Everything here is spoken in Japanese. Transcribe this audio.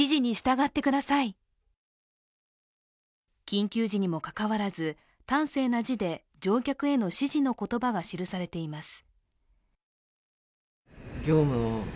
緊急時にもかかわらず端正な字で乗客への指示の言葉が記されています。